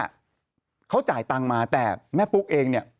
เขาจ่ายตังค์มาแต่แม่ปุ๊กเองเนี่ย